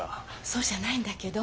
そうじゃないんだけど。